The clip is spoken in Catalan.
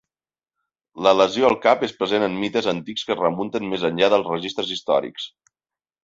La lesió al cap és present en mites antics que es remunten més enllà dels registres històrics.